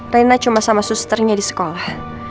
reina cuma sama susternya di sekolah